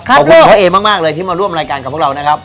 ขอให้เอมากเลยที่มาร่วมรายการกับพวกเรานะครับ